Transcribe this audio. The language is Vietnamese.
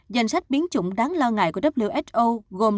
danh sách biến chủng đáng lo ngại của who gồm delta alpha beta và gamma